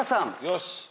よし。